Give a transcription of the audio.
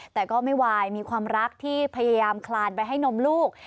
แต่ก็ไม่วายมีความรักที่พยายามคลานไปให้นมลูก